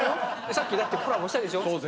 さっきだってコラボしたでしょ」。